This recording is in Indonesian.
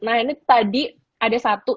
nah ini tadi ada satu